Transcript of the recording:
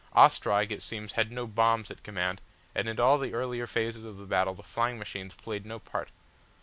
Ostrog it seems had no bombs at command and in all the earlier phases of the battle the flying machines played no part.